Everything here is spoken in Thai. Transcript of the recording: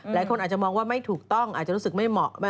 หลายคนอาจจะมองว่าไม่ถูกต้องอาจจะรู้สึกไม่เหมาะ